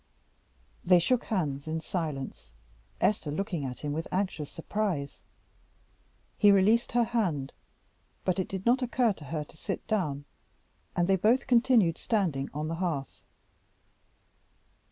They shook hands in silence, Esther looking at him with anxious surprise. He released her hand, but it did not occur to her to sit down, and they both continued standing on the hearth.